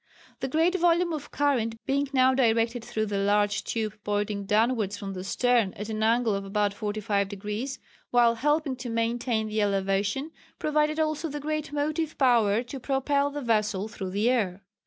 The great volume of the current, being now directed through the large tube pointing downwards from the stern at an angle of about forty five degrees, while helping to maintain the elevation, provided also the great motive power to propel the vessel through the air.